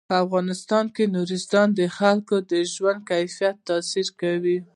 په افغانستان کې نورستان د خلکو د ژوند په کیفیت تاثیر کوي.